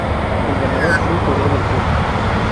El ganador fue Corea del Sur.